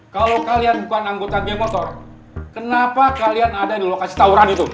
kalau kalian bukan anggota geng motor kenapa kalian ada di lokasi tawuran itu